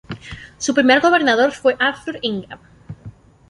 Su primer gobernador fue Arthur Ingram.